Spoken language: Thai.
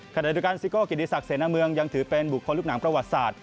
ขณะเดียวกันซิโก้กิติศักดิเสนาเมืองยังถือเป็นบุคคลลูกหนังประวัติศาสตร์